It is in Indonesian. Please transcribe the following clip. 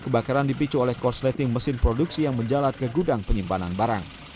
kebakaran dipicu oleh korsleting mesin produksi yang menjalat ke gudang penyimpanan barang